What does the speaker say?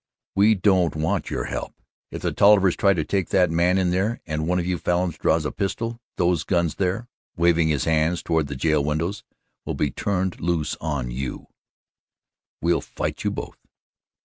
We don't want your help! If the Tollivers try to take that man in there, and one of you Falins draws a pistol, those guns there" waving his hand toward the jail windows "will be turned loose on YOU, WE'LL FIGHT YOU BOTH!"